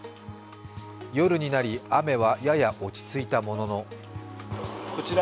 夜になり雨はやや落ち着いたもののこちら